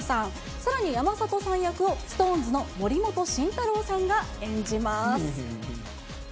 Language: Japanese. さらに山里さん役をＳｉｘＴＯＮＥＳの森本慎太郎さんが演じます。